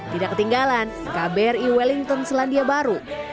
tidak ketinggalan kbri wellington selandia baru